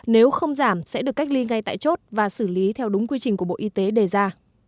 nếu không giảm sẽ được cách ly ngay tại chốt và xử lý theo đúng quy trình của bộ y tế đề ra